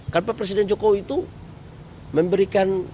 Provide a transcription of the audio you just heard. karena pak presiden jokowi itu memberikan